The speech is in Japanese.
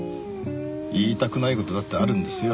言いたくない事だってあるんですよ。